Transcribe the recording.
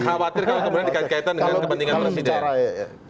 saya khawatir kalau kemudian dikaitkan dengan kepentingan presiden